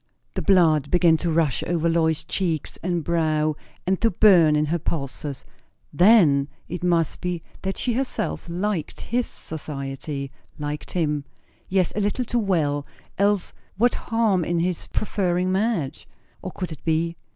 The blood began to rush over Lois's cheeks and brow and to burn in her pulses. Then, it must be that she herself liked his society liked him yes, a little too well; else what harm in his preferring Madge? O, could it be?